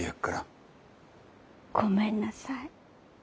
ごめんなさい。